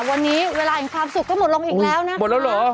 วันนี้เวลาอีกความสุขก็หมดลงอีกแล้วนะครับ